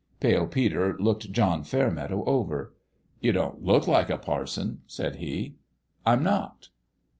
Pale Peter looked John Fairmeadow over. " You don't look like a parson," said he. " I'm not."